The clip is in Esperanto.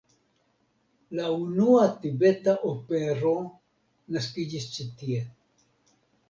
La unua tibeta opero naskiĝis ĉi tie.